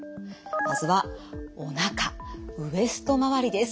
まずはおなかウエスト周りです。